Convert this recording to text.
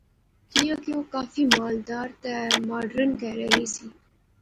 کیاں کہ او کافی مالدار تہ ماڈرن کہرے نی سی